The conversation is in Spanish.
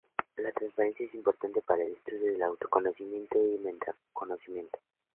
La transparencia es importante para el estudio del auto-conocimiento y del meta-conocimiento.